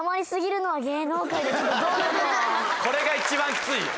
これが一番キツいよ。